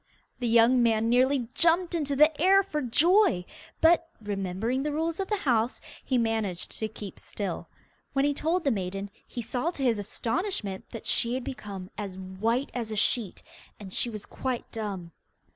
The young man nearly jumped into the air for joy, but, remembering the rules of the house, he managed to keep still. When he told the maiden, he saw to his astonishment that she had become as white as a sheet, and she was quite dumb.